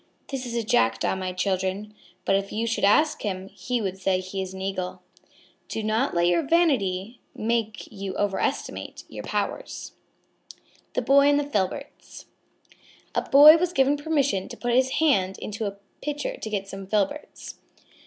"That is a Jackdaw, my children. But if you should ask him, he would say he is an Eagle." Do not let your vanity make you overestimate your powers. THE BOY AND THE FILBERTS A Boy was given permission to put his hand into a pitcher to get some filberts.